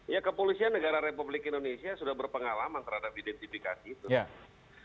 ya kepolisian negara republik indonesia sudah berpengalaman terhadap identifikasi itu